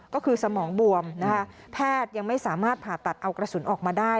ก็คือสมองบวมนะคะแพทย์ยังไม่สามารถผ่าตัดเอากระสุนออกมาได้